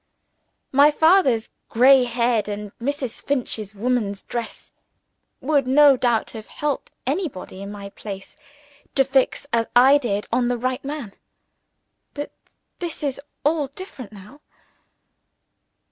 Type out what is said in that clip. My father's grey head, and Mrs. Finch's woman's dress, would no doubt have helped anybody in my place to fix as I did on the right man. But this is all different now.